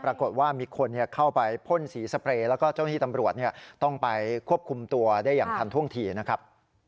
ปรากฏว่ามีคนเข้าไปพ่นสีสเปรย์แล้วก็เจ้าหน้าที่ตำรวจต้องไปควบคุมตัวได้อย่างทันท่วงทีนะครับ